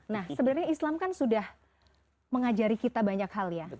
nah sebenarnya islam kan sudah mengajari kita banyak hal ya